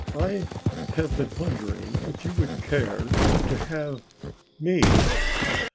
"I have been wondering if you would care to have me?"